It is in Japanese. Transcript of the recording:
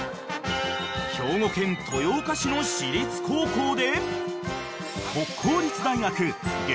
［兵庫県豊岡市の私立高校で］